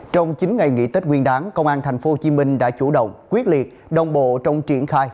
trong chín ngày nghỉ tết nguyên đáng công an tp hcm đã chủ động quyết liệt đồng bộ trong triển khai